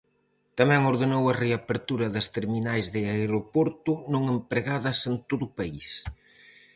Tamén ordenou a reapertura das terminais de aeroporto non empregadas en todo o país.